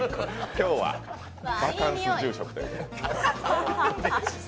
今日はバカンス住職ということで。